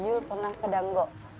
izul pernah ke danggo